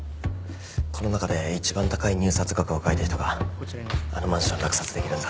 この中で一番高い入札額を書いた人があのマンションを落札できるんだ。